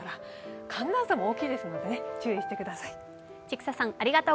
寒暖差も大きいですので、注意してください。